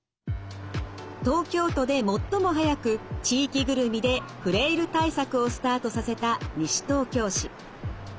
東京都で最も早く地域ぐるみでフレイル対策をスタートさせた西東京市。